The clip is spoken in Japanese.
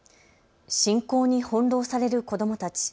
侵攻に翻弄される子どもたち。